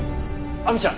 亜美ちゃん！